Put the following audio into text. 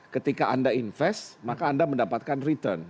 ketika anda invest maka anda mendapatkan return